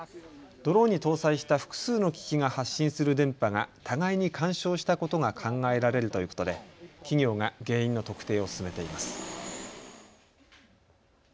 ドローンに搭載した複数の機器が発信する電波が互いに干渉したことが考えられるということで企業が原因の特定を進めています。